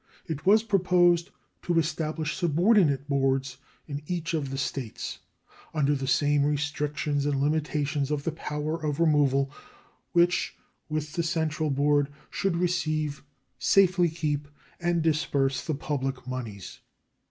It was proposed to establish subordinate boards in each of the States, under the same restrictions and limitations of the power of removal, which, with the central board, should receive, safely keep, and disburse the public moneys.